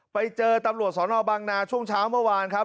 ไปเจอตำรวจสนบางนาช่วงเช้าเมื่อวานครับ